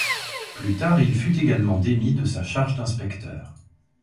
Plus tard, il fut également démis de sa charge d’inspecteur.